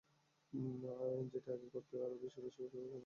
আগে যেটা করতে আরও বেশি পাস খেলে খেলে আক্রমণটা সাজাতে হতো।